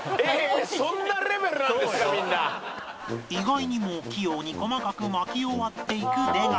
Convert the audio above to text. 意外にも器用に細かく薪を割っていく出川